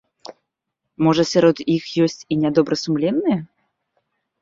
Можа сярод іх ёсць і нядобрасумленныя?